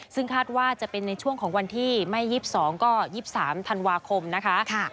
ซึ่งคาดว่าจะเป็นในช่วงของวันที่ไม่๒๒ก็๒๓ธันวาคมนะคะ